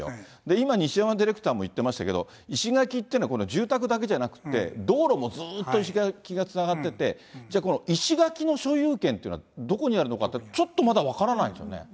今、西山ディレクターも言ってましたけど、石垣ってのは、この住宅だけじゃなくて、道路もずっと石垣がつながってて、じゃあ、この石垣の所有権っていうのはどこにあるのかって、ちょっとまだ分からないですよね。